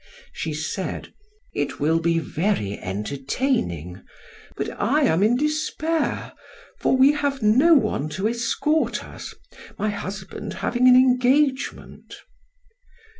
She said: "It will be very entertaining; but I am in despair, for we have no one to escort us, my husband having an engagement."